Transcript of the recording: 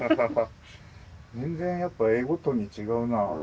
全然やっぱ絵ごとに違うな。